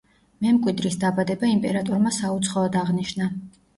მემკვიდრის დაბადება იმპერატორმა საუცხოოდ აღნიშნა.